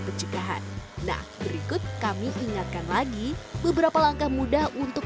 pencegahan nah berikut kami ingatkan lagi beberapa langkah mudah untuk